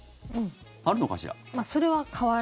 あるのかしら？